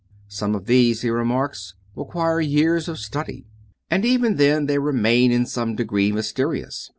Some of these, he remarks, require "years of study," and even then they remain in some degree mysterious.